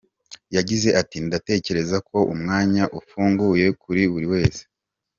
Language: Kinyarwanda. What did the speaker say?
Yagize ati “Ndatekereza ko umwanya ufunguye kuri buri wese.”